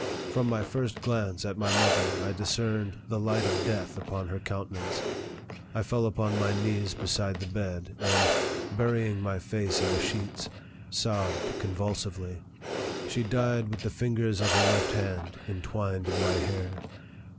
From my first glance at my mother I discerned the light of death upon her countenance. I fell upon my knees beside the bed and, burying my face in the sheets, sobbed convulsively. She died with the fingers of her left hand entwined in my hair.